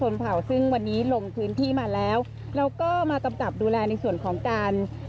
เผาซึ่งวันนี้ลงพื้นที่มาแล้วแล้วก็มากำกับดูแลในส่วนของการ